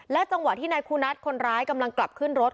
จังหวะที่นายคูนัทคนร้ายกำลังกลับขึ้นรถ